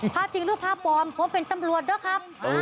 พระจริงหรือพระปลอมผมเป็นตำรวจด้วยครับ